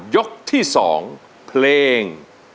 ยกที่๒เพลง